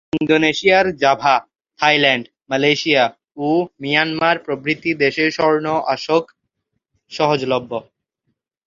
ইন্দোনেশিয়ার Java, Thailand, Malaysia ও Myanmar প্রভৃতি দেশে স্বর্ণ অশোক সহজলভ্য।